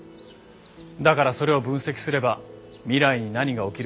だからそれを分析すれば未来に何が起きるかが分かります。